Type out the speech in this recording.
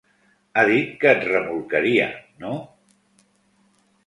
Ha dit que et remolcaria, no?